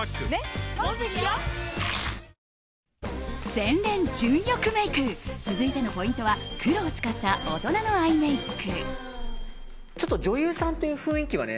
洗練純欲メイク続いてのポイントは黒を使った大人のアイメイク。